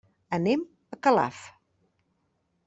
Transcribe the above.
Anem a Calaf.